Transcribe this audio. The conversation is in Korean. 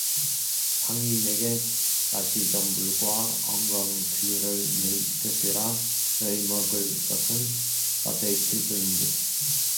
땅이 네게 가시덤불과 엉겅퀴를 낼 것이라 너의 먹을 것은 밭의 채소인즉